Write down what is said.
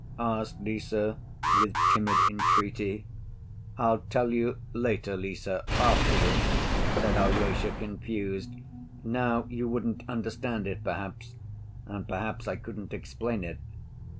asked Lise with timid entreaty. "I'll tell you later, Lise—afterwards," said Alyosha, confused. "Now you wouldn't understand it perhaps—and perhaps I couldn't explain it."